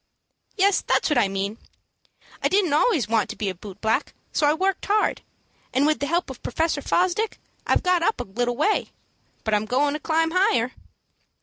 "Yes, that's what I mean. I didn't always want to be a boot black, so I worked hard, and with the help of Professor Fosdick, I've got up a little way. But I'm goin' to climb higher."